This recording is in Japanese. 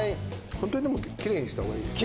本当にでも、きれいにしたほうがいい。